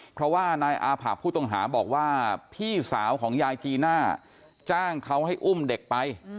เพราะว่านายอาผะผู้ต้องหาบอกว่าพี่สาวของยายจีน่าจ้างเขาให้อุ้มเด็กไป